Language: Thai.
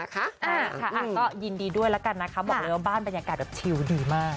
ก็ยินดีด้วยแล้วกันนะคะบอกเลยว่าบ้านบรรยากาศแบบชิวดีมาก